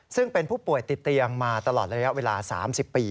ซึ่งเป็นผู้ป่วยติดเตียงมาตลอดระยะเวลา๓๐ปี